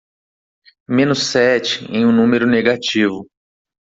Menos sete em um número negativo.